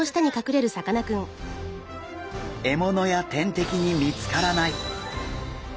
獲物や天敵に見つからない！